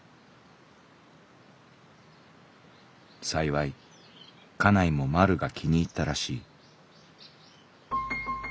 「幸い家内もまるが気に入ったらしい」。